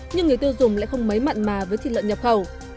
nhưng người tiêu dùng lại không mấy mặn mà với thịt lợn nhập khẩu